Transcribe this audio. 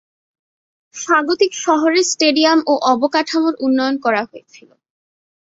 স্বাগতিক শহরের স্টেডিয়াম ও অবকাঠামোর উন্নয়ন করা হয়েছিল।